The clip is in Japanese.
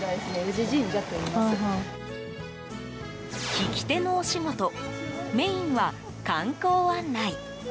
引き手のお仕事メインは観光案内。